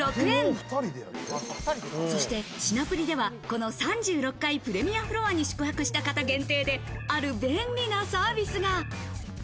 そして品プリでは、この３６階プレミアフロアに宿泊した方限定で、ある便利なサービスが。